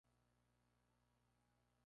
Al Gral.